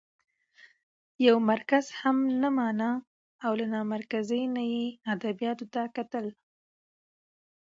يو مرکز هم نه مانه او له نامرکزۍ نه يې ادبياتو ته کتل؛